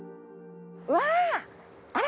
わあ！